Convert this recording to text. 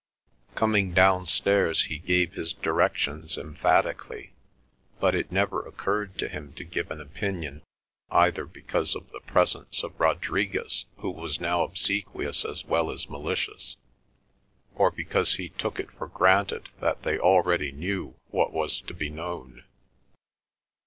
Coming downstairs he gave his directions emphatically, but it never occurred to him to give an opinion either because of the presence of Rodriguez who was now obsequious as well as malicious, or because he took it for granted that they knew already what was to be known.